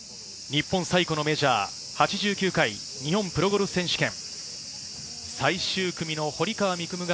日本最古のメジャー、８９回日本プロゴルフ選手権。